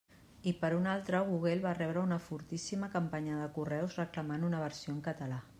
I per una altra Google va rebre una fortíssima campanya de correus reclamant una versió en català.